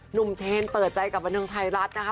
หนุ่มเชนเปิดใจกับบันเทิงไทยรัฐนะคะ